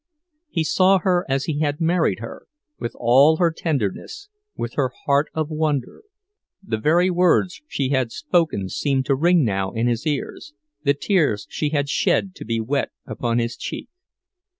He saw her as he had married her, with all her tenderness, with her heart of wonder; the very words she had spoken seemed to ring now in his ears, the tears she had shed to be wet upon his cheek.